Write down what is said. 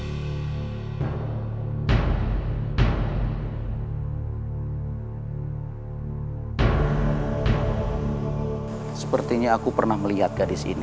hai sepertinya aku pernah melihat gadis ini